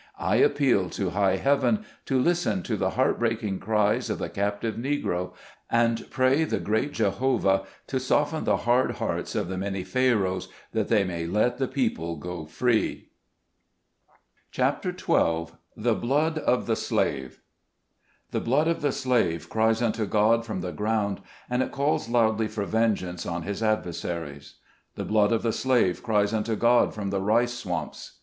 I appeal to high Heaven to listen to the heart breaking cries of the captive Negro, and pray the great Jehovah to soften the hard hearts of the many Pharoahs, that they may let the people go free ! 218 SKETCHES OF SLAVE LIFE. CHAPTER XII. THE BLOOD OF THE SLAVE. ||HE blood of the slave cries unto God from the ground, and it calls loudly for vengeance on his adversaries. The blood of the slave cries unto God from the rice swamps.